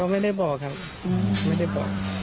ไม่ได้บอกครับ